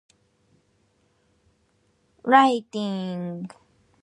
Punctuation plays a critical role in conveying meaning and nuance in writing.